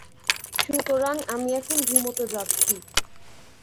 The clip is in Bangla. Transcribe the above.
সুতরাং, আমি এখন ঘুমোতে যাচ্ছি।